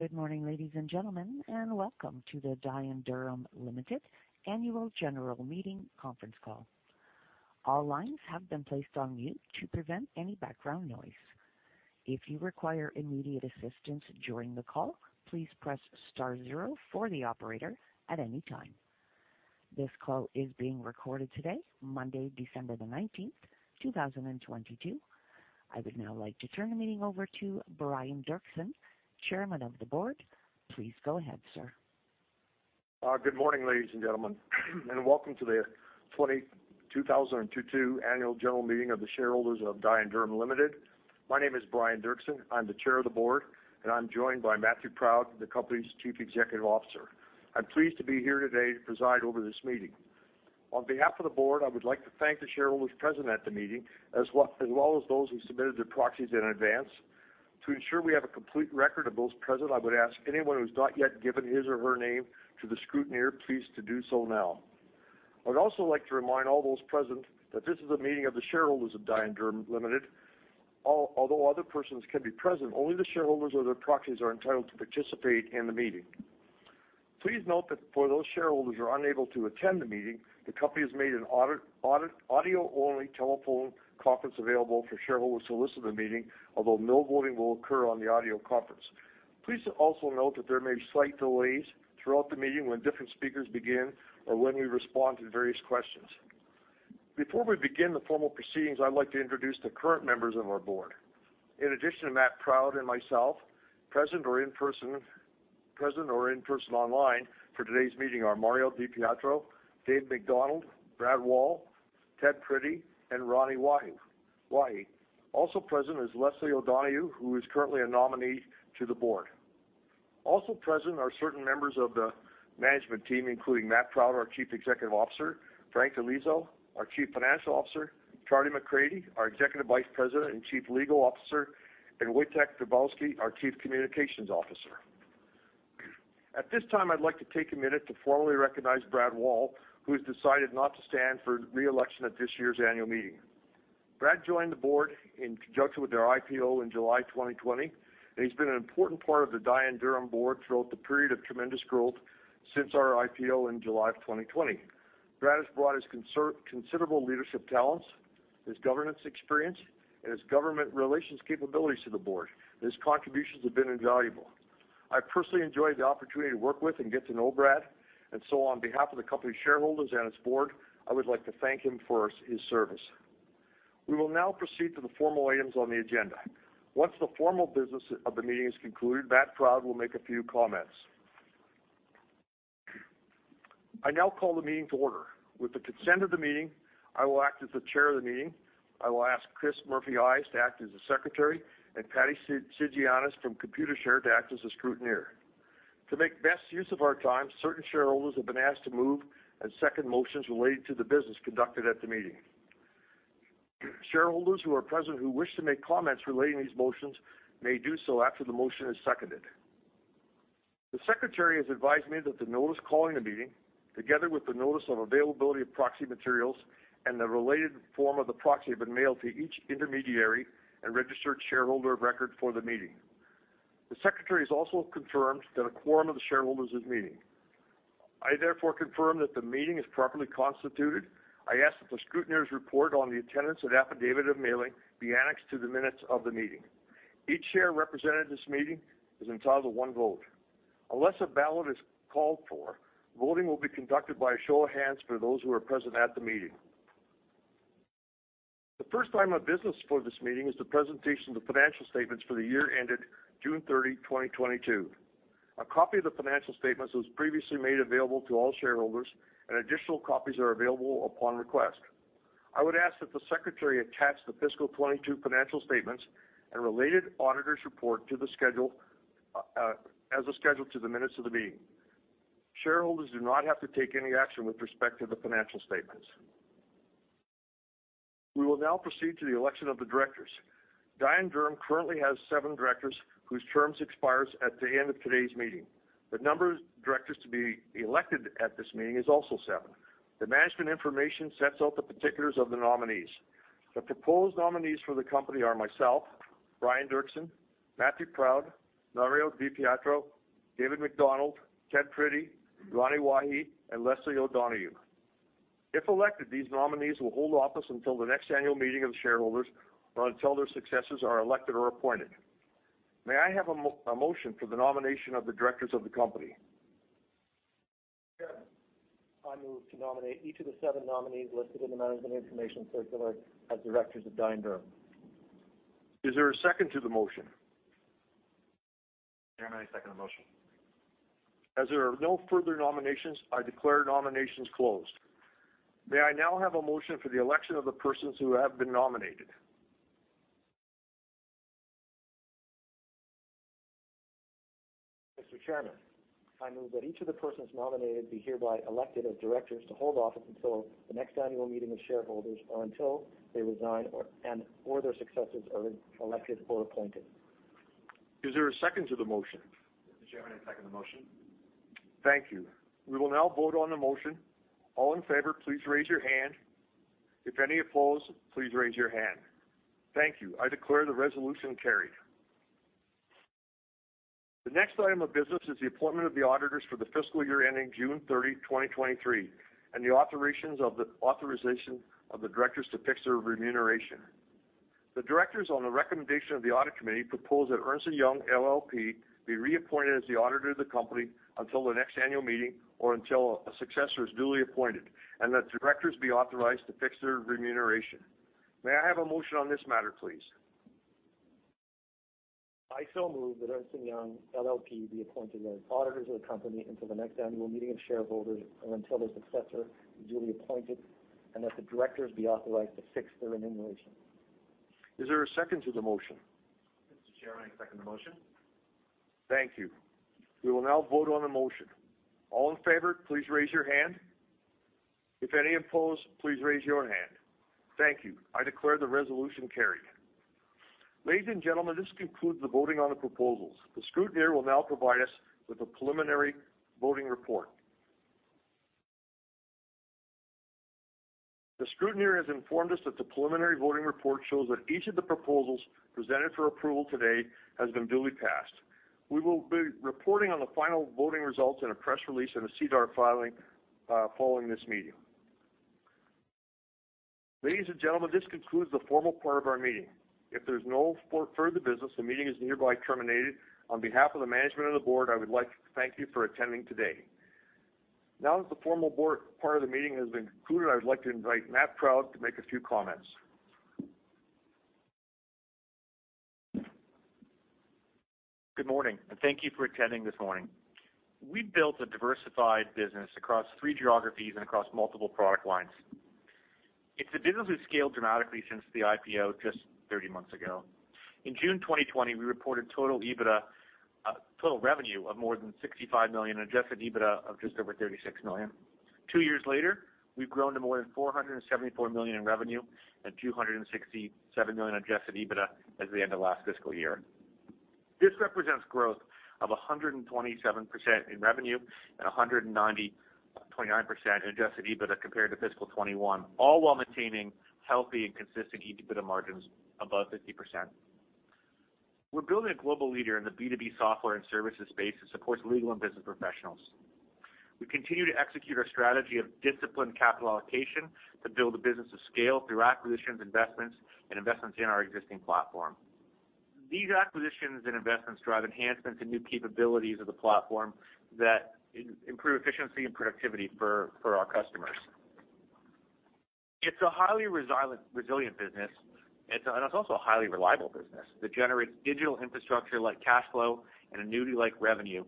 Good morning, ladies and gentlemen, and welcome to the Dye & Durham Limited Annual General Meeting conference call. All lines have been placed on mute to prevent any background noise. If you require immediate assistance during the call, please press star zero for the operator at any time. This call is being recorded today, Monday, December the 19th, 2022. I would now like to turn the meeting over to Brian L. Derksen, Chairman of the Board. Please go ahead, sir. Good morning, ladies and gentlemen, and welcome to the 2022 annual general meeting of the shareholders of Dye & Durham Limited. My name is Brian L. Derksen, I'm the Chair of the Board, and I'm joined by Matthew Proud, the company's Chief Executive Officer. I'm pleased to be here today to preside over this meeting. On behalf of the board, I would like to thank the shareholders present at the meeting as well as those who submitted their proxies in advance. To ensure we have a complete record of those present, I would ask anyone who has not yet given his or her name to the scrutineer, please to do so now. I would also like to remind all those present that this is a meeting of the shareholders of Dye & Durham Limited. Although other persons can be present, only the shareholders or their proxies are entitled to participate in the meeting. Please note that for those shareholders who are unable to attend the meeting, the company has made an audio-only telephone conference available for shareholders to listen to the meeting, although no voting will occur on the audio conference. Please also note that there may be slight delays throughout the meeting when different speakers begin or when we respond to various questions. Before we begin the formal proceedings, I'd like to introduce the current members of our board. In addition to Matthew Proud and myself, present or in person online for today's meeting are Mario Di Pietro, David Macdonald, Brad Wall, Edward Prittie, and Ronnie Wahi. Also present is Leslie O'Donoghue, who is currently a nominee to the board. Also present are certain members of the management team, including Matthew Proud, our Chief Executive Officer, Frank Di Liso, our Chief Financial Officer, Charles Ford MacCready, our Executive Vice President and Chief Legal Officer, and Wojtek Dabrowski, our Chief Communications Officer. At this time, I'd like to take a minute to formally recognize Brad Wall, who has decided not to stand for re-election at this year's annual meeting. Brad joined the board in conjunction with our IPO in July 2020, and he's been an important part of the Dye & Durham board throughout the period of tremendous growth since our IPO in July of 2020. Brad has brought his considerable leadership talents, his governance experience, and his government relations capabilities to the board. His contributions have been invaluable. I personally enjoyed the opportunity to work with and get to know Brad Wall. On behalf of the company's shareholders and its board, I would like to thank him for his service. We will now proceed to the formal items on the agenda. Once the formal business of the meeting is concluded, Matt Proud will make a few comments. I now call the meeting to order. With the consent of the meeting, I will act as the Chair of the meeting. I will ask Chris Murphy Ives to act as the Secretary, and Patty Sigiannis from Computershare to act as the Scrutineer. To make best use of our time, certain shareholders have been asked to move and second motions related to the business conducted at the meeting. Shareholders who are present who wish to make comments relating these motions may do so after the motion is seconded. The secretary has advised me that the notice calling the meeting, together with the notice of availability of proxy materials and the related form of the proxy, have been mailed to each intermediary and registered shareholder of record for the meeting. The secretary has also confirmed that a quorum of the shareholders is meeting. I confirm that the meeting is properly constituted. I ask that the scrutineer's report on the attendance and affidavit of mailing be annexed to the minutes of the meeting. Each share represented at this meeting is entitled to one vote. Unless a ballot is called for, voting will be conducted by a show of hands for those who are present at the meeting. The first item of business for this meeting is the presentation of the financial statements for the year ended June 30, 2022. A copy of the financial statements was previously made available to all shareholders, and additional copies are available upon request. I would ask that the secretary attach the fiscal 2022 financial statements and related auditor's report to the schedule, as a schedule to the minutes of the meeting. Shareholders do not have to take any action with respect to the financial statements. We will now proceed to the election of the directors. Dye & Durham currently has seven directors whose terms expires at the end of today's meeting. The number of directors to be elected at this meeting is also seven. The Management Information sets out the particulars of the nominees. The proposed nominees for the company are myself, Brian L. Derksen, Matthew Proud, Mario Di Pietro, David Macdonald, Edward Prittie, Ronnie Wahi, and Leslie O'Donoghue. If elected, these nominees will hold office until the next annual meeting of the shareholders or until their successors are elected or appointed. May I have a motion for the nomination of the directors of the company? Sure. I move to nominate each of the seven nominees listed in the Management Information Circular as directors of Dye & Durham. Is there a second to the motion? Chairman, I second the motion. As there are no further nominations, I declare nominations closed. May I now have a motion for the election of the persons who have been nominated? Mr. Chairman, I move that each of the persons nominated be hereby elected as directors to hold office until the next annual meeting of shareholders or until they resign or, and or their successors are elected or appointed. Is there a second to the motion? Mr. Chairman, I second the motion. Thank you. We will now vote on the motion. All in favor, please raise your hand. If any oppose, please raise your hand. Thank you. I declare the resolution carried. The next item of business is the appointment of the auditors for the fiscal year ending June 30, 2023, and the authorization of the directors to fix their remuneration. The directors, on the recommendation of the audit committee, propose that Ernst & Young LLP be reappointed as the auditor of the company until the next annual meeting or until a successor is duly appointed, and that the directors be authorized to fix their remuneration. May I have a motion on this matter, please? I so move that Ernst & Young LLP be appointed as auditors of the company until the next annual meeting of shareholders or until the successor is duly appointed, and that the directors be authorized to fix their remuneration. Is there a second to the motion? Mr. Chairman, I second the motion. Thank you. We will now vote on the motion. All in favor, please raise your hand. If any oppose, please raise your hand. Thank you. I declare the resolution carried. Ladies and gentlemen, this concludes the voting on the proposals. The scrutineer will now provide us with a preliminary voting report. The scrutineer has informed us that the preliminary voting report shows that each of the proposals presented for approval today has been duly passed. We will be reporting on the final voting results in a press release and a SEDAR filing following this meeting. Ladies and gentlemen, this concludes the formal part of our meeting. If there's no further business, the meeting is hereby terminated. On behalf of the management and the board, I would like to thank you for attending today. Now that the formal board part of the meeting has been concluded, I would like to invite Matt Proud to make a few comments. Good morning, and thank you for attending this morning. We've built a diversified business across three geographies and across multiple product lines. It's a business we've scaled dramatically since the IPO just 30 months ago. In June 2020, we reported total EBITDA, total revenue of more than 65 million, adjusted EBITDA of just over 36 million. Two years later, we've grown to more than 474 million in revenue and 267 million adjusted EBITDA as the end of last fiscal year. This represents growth of 127% in revenue and 199% adjusted EBITDA compared to fiscal 2021, all while maintaining healthy and consistent EBITDA margins above 50%. We're building a global leader in the B2B software and services space that supports legal and business professionals. We continue to execute our strategy of disciplined capital allocation to build a business of scale through acquisitions and investments in our existing platform. These acquisitions and investments drive enhancements and new capabilities of the platform that improve efficiency and productivity for our customers. It's a highly resilient business. It's also a highly reliable business that generates digital infrastructure like cash flow and annuity-like revenue.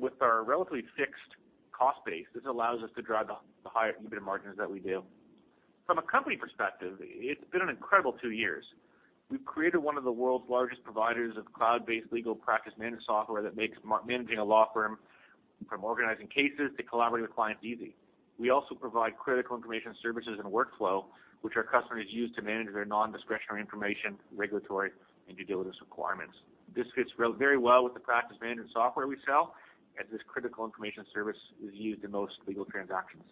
With our relatively fixed cost base, this allows us to drive the higher EBITDA margins that we do. From a company perspective, it's been an incredible two years. We've created one of the world's largest providers of cloud-based legal practice management software that makes managing a law firm from organizing cases to collaborate with clients easy. We also provide critical information services and workflow, which our customers use to manage their non-discretionary information, regulatory, and due diligence requirements. This fits very well with the practice management software we sell, as this critical information service is used in most legal transactions.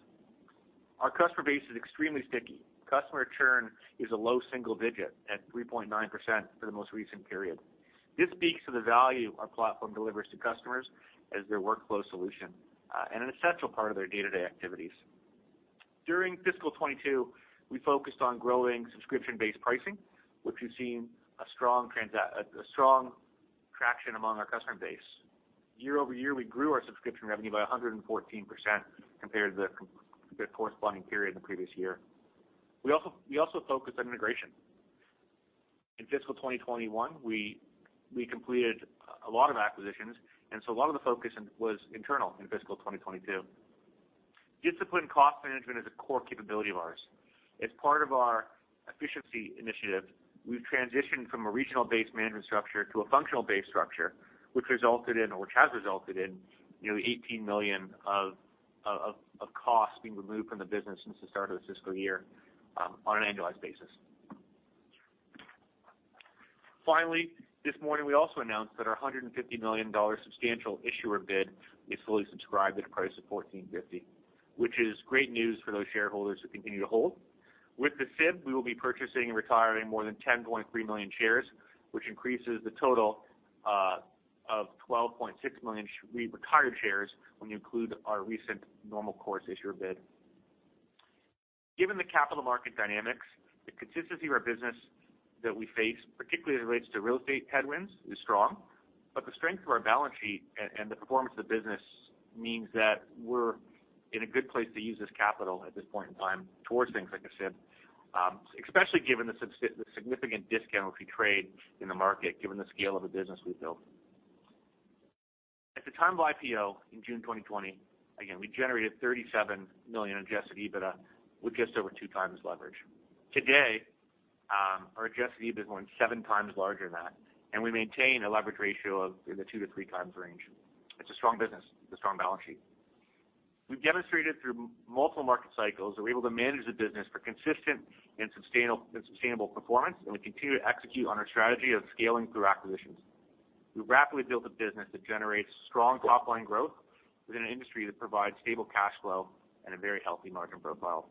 Our customer base is extremely sticky. Customer churn is a low single digit at 3.9% for the most recent period. This speaks to the value our platform delivers to customers as their workflow solution and an essential part of their day-to-day activities. During fiscal 2022, we focused on growing subscription-based pricing, which we've seen strong traction among our customer base. Year-over-year, we grew our subscription revenue by 114% compared to the corresponding period in the previous year. We also focused on integration. In fiscal 2021, we completed a lot of acquisitions, so a lot of the focus was internal in fiscal 2022. Disciplined cost management is a core capability of ours. As part of our efficiency initiative, we've transitioned from a regional-based management structure to a functional-based structure, which has resulted in, you know, 18 million of cost being removed from the business since the start of the fiscal year on an annualized basis. Finally, this morning, we also announced that our 150 million dollar Substantial Issuer Bid is fully subscribed at a price of 14.50, which is great news for those shareholders who continue to hold. With the SIB, we will be purchasing and retiring more than 10.3 million shares, which increases the total of 12.6 million shares we've retired when you include our recent Normal Course Issuer Bid. Given the capital market dynamics, the consistency of our business that we face, particularly as it relates to real estate headwinds, is strong. The strength of our balance sheet and the performance of the business means that we're in a good place to use this capital at this point in time towards things like a SIB, especially given the significant discount which we trade in the market given the scale of the business we've built. At the time of IPO in June 2020, again, we generated 37 million Adjusted EBITDA with just over 2x leverage. Today, our Adjusted EBITDA is more than 7x larger than that, and we maintain a leverage ratio of in the 2x to 3x range. It's a strong business. It's a strong balance sheet. We've demonstrated through multiple market cycles that we're able to manage the business for consistent and sustainable performance. We continue to execute on our strategy of scaling through acquisitions. We've rapidly built a business that generates strong top-line growth within an industry that provides stable cash flow and a very healthy margin profile.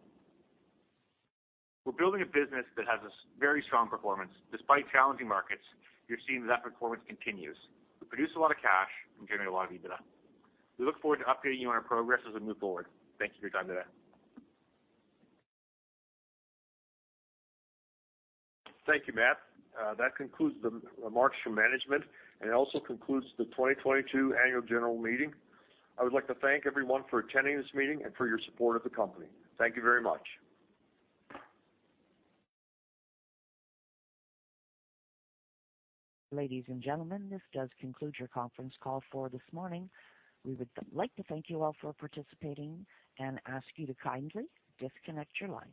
We're building a business that has a very strong performance. Despite challenging markets, you're seeing that performance continues. We produce a lot of cash and generate a lot of EBITDA. We look forward to updating you on our progress as we move forward. Thank you for your time today. Thank you, Matt. That concludes the remarks from management and it also concludes the 2022 annual general meeting. I would like to thank everyone for attending this meeting and for your support of the company. Thank you very much. Ladies and gentlemen, this does conclude your conference call for this morning. We would like to thank you all for participating and ask you to kindly disconnect your line.